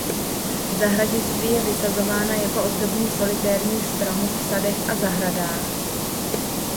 V zahradnictví je vysazována jako ozdobný solitérní strom v sadech a zahradách.